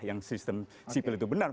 yang sistem sipil itu benar